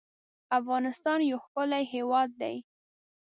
افغانستان يو ښکلی هېواد دی